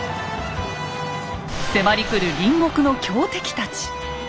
迫り来る隣国の強敵たち。